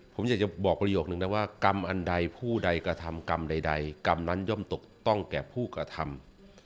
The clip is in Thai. ผมอยากจะบอกประโยคนึงนะว่ากรรมอันใดผู้ใดกระทำกรรมใดกรรมนั้นย่อมตกต้องแก่ผู้กระทำ